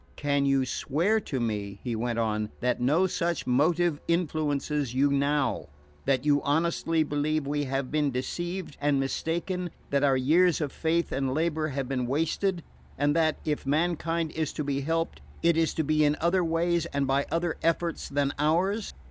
"Can you swear to me," he went on, "that no such motive influences you now? That you honestly believe we have been deceived and mistaken? That our years of faith and labour have been wasted, and that, if mankind is to be helped, it is to be in other ways and by other efforts than ours?"